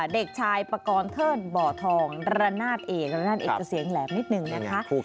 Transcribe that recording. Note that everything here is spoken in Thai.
เด็กชายปกรณ์เทิดบ่อทองระนาดเอกระนาดเอกจะเสียงแหลมนิดนึงนะคะ